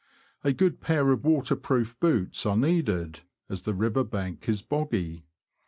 A good pair of water proof boots are needed, as the river bank is boggy.